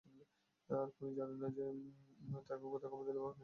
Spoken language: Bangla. আর খুনি জানে যে, তাকে কোথায় কবর দিলে পুলিশের চোখকে ফাঁকি দেয়া যাবে।